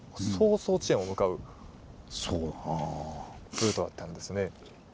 ルートだったんですね。